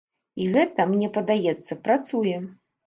І гэта, мне падаецца, працуе.